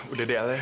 udah deh al ya